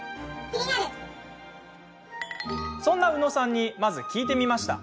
そんな宇野さんにまず聞いてみました。